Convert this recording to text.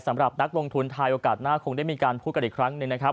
สำหรับนักลงทุนไทยโอกาสหน้าคงได้มีการพูดกันอีกครั้งหนึ่งนะครับ